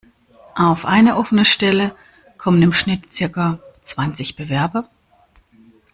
Auf eine offene Stelle kommen im Schnitt circa zwanzig Bewerber.